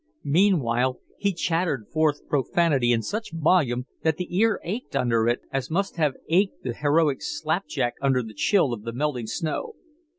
Meanwhile he chattered forth profanity in such volume that the ear ached under it as must have ached the heroic Slapjack under the chill of the melting snow.